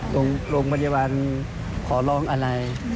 ตรง๑๑๒บขอลองอะไร